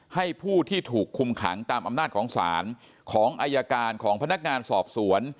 ให้ผู้ที่ถูกคุมขังตามอำนาจของศาลของอายการของพนักงานสอบสวน